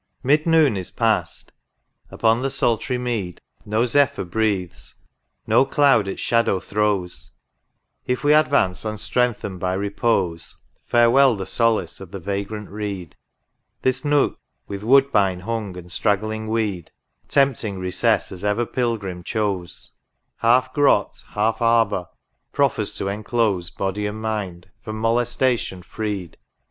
Mid noon is past ;— upon the sultry mead No zephyr breathes, no cloud its shadow throws: If we advance unstrengthen'd by repose, Farewell the solace of the vagrant reed. This Nook, with woodbine hung and straggling weed. Tempting recess as ever pilgrim chose, Half grot, half arbour, proffers to enclose Body and mind, from molestation freed.